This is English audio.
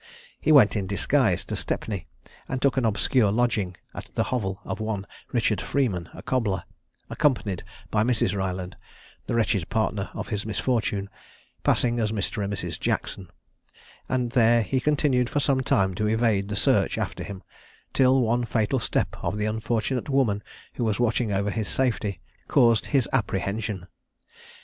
He went in disguise to Stepney, and took an obscure lodging at the hovel of one Richard Freeman, a cobbler, accompanied by Mrs. Ryland, the wretched partner of his misfortune, passing as Mr. and Mrs. Jackson; and there he continued for some time to evade the search after him, till one fatal step of the unfortunate woman who was watching over his safety caused his apprehension.